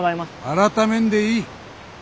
改めんでいい。